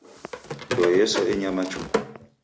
Ndoe yose enyama chuku.